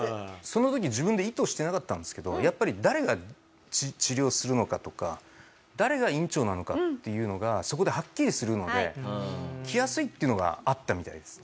その時自分で意図してなかったんですけどやっぱり誰が治療するのかとか誰が院長なのかっていうのがそこではっきりするので来やすいっていうのがあったみたいです。